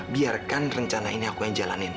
biarkan rencana ini aku yang jalanin